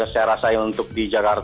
saya rasain untuk di jakarta